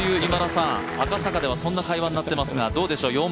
今田さん、赤坂ではそんな会話になっていますが、どうでしょう？